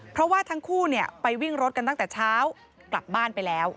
เพราะว่าทั้งคู่ไปวิ่งรถกันตั้งแต่เช้ากลับบ้านไปแล้ว